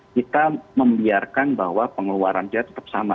kita membiarkan bahwa pengeluaran kita tetap sama